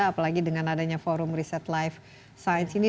apalagi dengan adanya forum riset life science ini